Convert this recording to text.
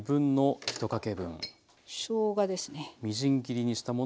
しょうがですね。